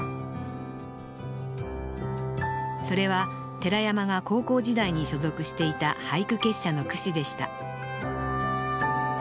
それは寺山が高校時代に所属していた俳句結社の句誌でした